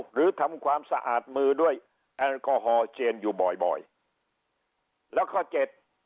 หรือทำความสะอาดมือด้วยแอลกอฮอล์เจียนอยู่บ่อยบ่อยแล้วก็เจ็ด